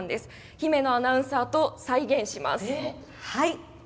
姫野アナウンサーと再現します。